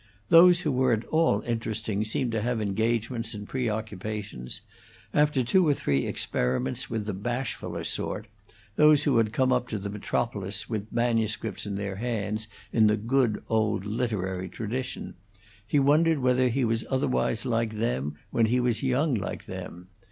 Those who were at all interesting seemed to have engagements and preoccupations; after two or three experiments with the bashfuller sort those who had come up to the metropolis with manuscripts in their hands, in the good old literary tradition he wondered whether he was otherwise like them when he was young like them.